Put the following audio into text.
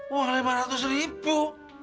wah lima ratus ribu